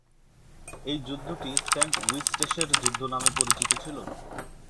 এই যুদ্ধটি সেন্ট-ইউস্টেশের যুদ্ধ নামে পরিচিত ছিল।